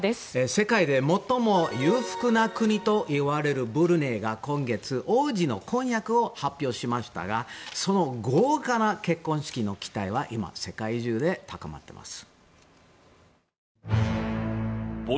世界で最も裕福な国といわれるブルネイが今月、王子の婚約を発表しましたがその豪華な結婚式の期待は今、世界中で高まっています。